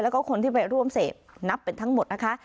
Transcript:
แล้วก็คนที่ไปร่วมเสพนับเป็นทั้งหมดนะคะ